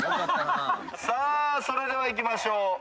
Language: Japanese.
それではいきましょう。